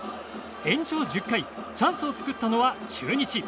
延長１０回チャンスを作ったのは中日。